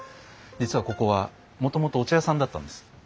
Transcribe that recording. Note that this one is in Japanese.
実はここはもともとお茶屋さんだったんです。